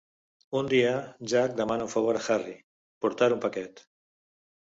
Un dia, Jack demana un favor a Harry: portar un paquet.